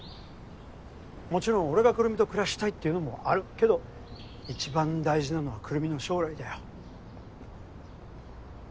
もちろん俺がくるみと暮らしたいっていうのもあるけど一番大事なのはくるみの将来だよ。